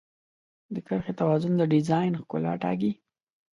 د کرښې توازن د ډیزاین ښکلا ټاکي.